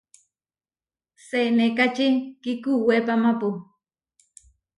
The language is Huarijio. Senékači kikuwépamapu.